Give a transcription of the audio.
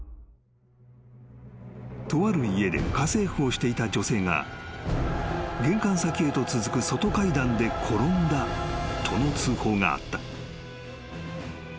［とある家で家政婦をしていた女性が玄関先へと続く外階段で転んだとの通報があった］